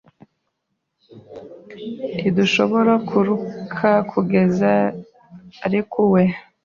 Ntidushobora kuruhuka kugeza arekuwe.